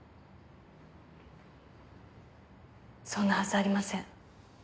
そんなはずありません。